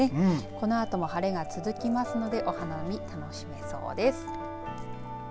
このあとも晴れが続きますのでお花見、楽しめそうです。